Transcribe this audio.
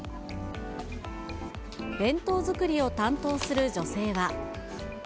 弁当作りを担当する女性は。